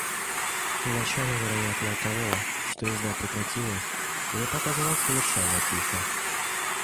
Вначале, вероятно, оттого, что езда прекратилась, мне показалось, совершенно тихо.